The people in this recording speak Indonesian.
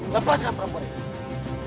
lepaskan perempuan itu